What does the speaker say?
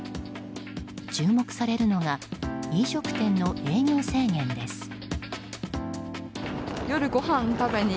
注目されるのが飲食店の営業制限です。